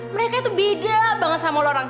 mereka tuh beda banget sama lo orang